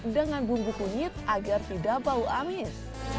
dengan bumbu kunyit agar tidak bau amis